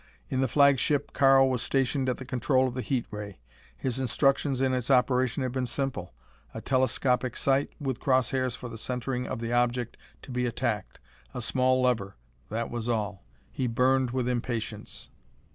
In the flagship Karl was stationed at the control of the heat ray. His instructions in its operation had been simple. A telescopic sight with crosshairs for the centering of the object to be attacked; a small lever. That was all. He burned with impatience.